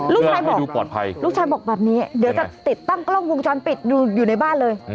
ลูกชายบอกอยู่ปลอดภัยลูกชายบอกแบบนี้เดี๋ยวจะติดตั้งกล้องวงจรปิดอยู่ในบ้านเลย